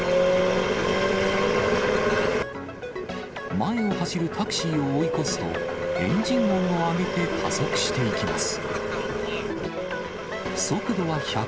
前を走るタクシーを追い越すと、エンジン音を上げて加速していきます。